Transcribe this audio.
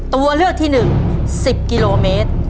ตัวเลือกที่๑๑๐กิโลเมตร